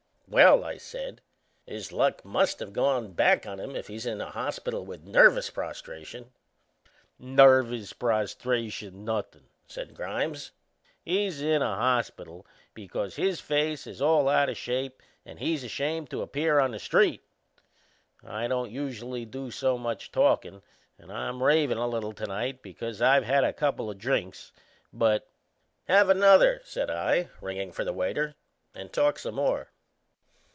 "Well," I said, "his luck must have gone back on him if he's in a hospital with nervous prostration." "Nervous prostration nothin'," said Grimes. "He's in a hospital because his face is all out o' shape and he's ashamed to appear on the street. I don't usually do so much talkin' and I'm ravin' a little to night because I've had a couple o' drinks; but " "Have another," said I, ringing for the waiter, "and talk some more."